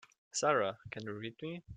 Sara can you read me?